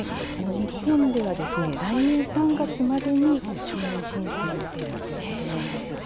日本では来年３月までに承認申請予定だということです。